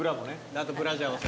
あとブラジャー忘れた。